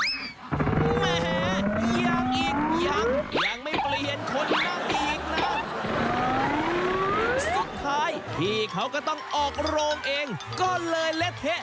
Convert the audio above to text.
แหม้ยังอีกใหนยังไม่เปลี่ยนคนบ้างอีกนะ